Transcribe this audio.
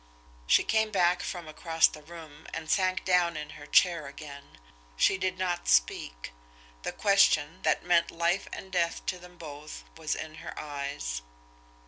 She came back from across the room, and sank down in her chair again. She did not speak the question, that meant life and death to them both, was in her eyes.